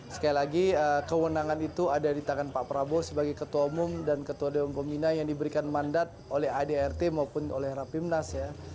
sekali lagi kewenangan itu ada di tangan pak prabowo sebagai ketua umum dan ketua dewan pembina yang diberikan mandat oleh adrt maupun oleh rapimnas ya